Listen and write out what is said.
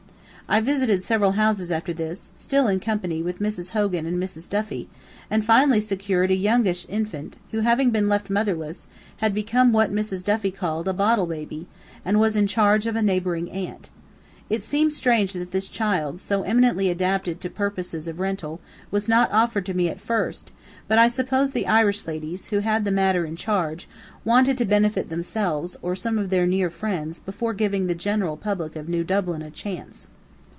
I visited several houses after this, still in company with Mrs. Hogan and Mrs. Duffy, and finally secured a youngish infant, who, having been left motherless, had become what Mrs. Duffy called a "bottle baby," and was in charge of a neighboring aunt. It seemed strange that this child, so eminently adapted to purposes of rental, was not offered to me, at first, but I suppose the Irish ladies, who had the matter in charge, wanted to benefit themselves, or some of their near friends, before giving the general public of New Dublin a chance.